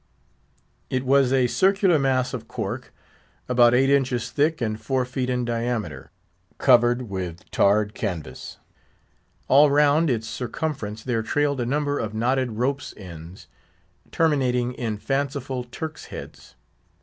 It was a circular mass of cork, about eight inches thick and four feet in diameter, covered with tarred canvas. All round its circumference there trailed a number of knotted ropes' ends, terminating in fanciful Turks' heads.